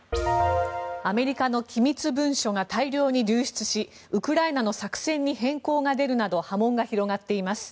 アメリカの機密文書が大量に流出しウクライナの作戦に変更が出るなど波紋が広がっています。